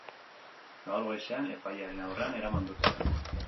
Gaur goizean epailearen aurrean eraman dute.